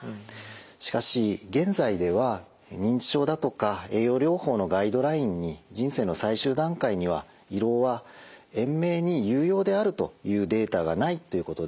しかし現在では認知症だとか栄養療法のガイドラインに人生の最終段階には胃ろうは延命に有用であるというデータがないということでですね